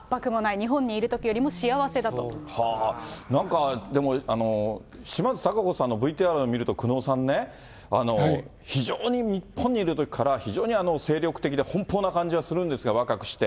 日本にいるときよりもなんか、でも島津貴子さんのＶＴＲ見ると、久能さんね、非常に日本にいるときから、非常に精力的で奔放な感じはするんですけれども、若くして。